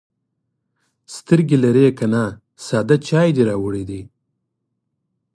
_سترګې لرې که نه، ساده چای دې راوړی دی.